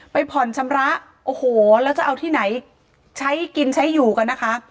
ผ่อนชำระโอ้โหแล้วจะเอาที่ไหนใช้กินใช้อยู่กันนะคะ